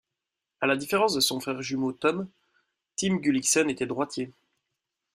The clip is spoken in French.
À la différence de son frère jumeau Tom, Tim Gullikson était droitier.